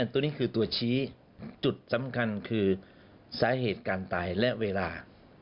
ตัวนี้คือตัวชี้จุดสำคัญคือสาเหตุการตายและเวลา